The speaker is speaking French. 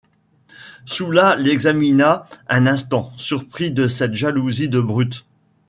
Soulas l’examina un instant, surpris de cette jalousie de brute.